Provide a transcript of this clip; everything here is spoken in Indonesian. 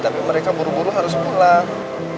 tapi mereka buru buru harus pulang